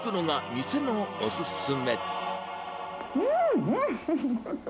うん！